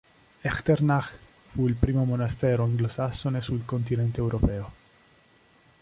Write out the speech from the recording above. Echternach fu il primo monastero anglosassone sul continente europeo.